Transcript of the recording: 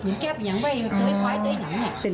เหมือนแก้เป็นยังไว้เต้ยไขว้เต้ยหนังเนี่ย